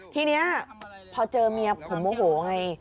ทีนี้พอเจอเมียผมโมโหไง